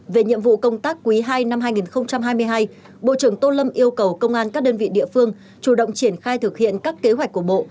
về nhiệm vụ công tác quý ii năm hai nghìn hai mươi hai bộ trưởng tô lâm yêu cầu công an các đơn vị địa phương chủ động triển khai thực hiện các kế hoạch của bộ